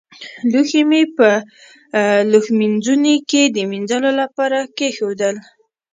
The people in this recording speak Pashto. لوښي مې په لوښمینځوني کې د مينځلو لپاره کېښودل.